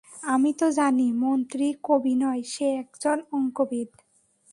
আমি তো জানি মন্ত্রী কবি নয়, সে একজন অঙ্কবিদ।